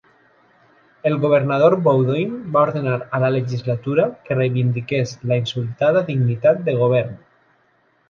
El Governador Bowdoin va ordenar a la legislatura que reivindiqués la insultada dignitat de govern.